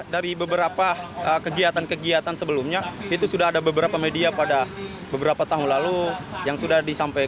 dari beberapa kegiatan kegiatan sebelumnya itu sudah ada beberapa media pada beberapa tahun lalu yang sudah disampaikan